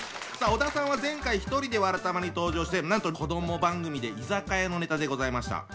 さあ小田さんは前回一人で「わらたま」に登場してなんと子ども番組で居酒屋のネタでございました。